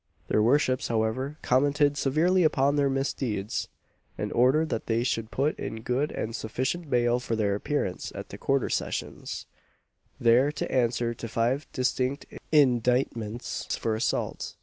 Their worships, however, commented severely upon their misdeeds, and ordered that they should put in good and sufficient bail for their appearance at the Quarter Sessions, there to answer to five distinct indictments for assault.